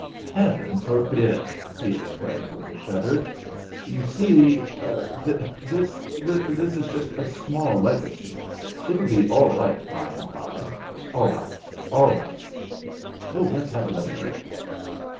"Heaven forbid!" he exclaimed, with a shudder. "You see ... this this is just a small legacy. It'll be all right by and by. All right, all right. Let's have another drink."